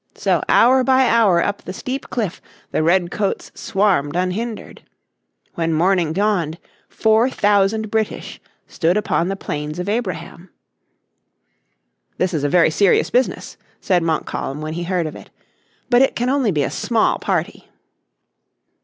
So hour by hour up the steep cliff the red coats swarmed unhindered. When morning dawned four thousand British stood upon the plains of Abraham. "This is a very serious business," said Montcalm when he heard of it, "but it can only be a small party."